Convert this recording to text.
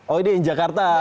oh ini yang jakarta